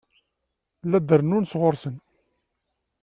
La d-rennun sɣur-sen.